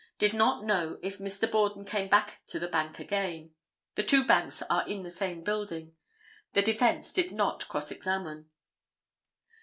Did not know if Mr. Borden came back to the bank again. The two banks are in the same building. The defence did not cross examine.